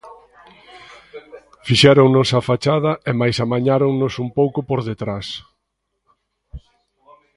Fixéronnos a fachada e mais amañáronnos un pouco por detrás.